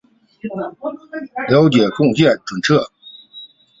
中国科学院半导体研究所。